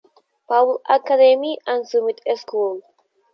Paul Academy and Summit School".